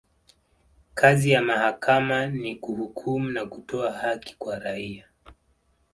kazi ya mahakama ni kuhukumu na kutoa haki kwa raia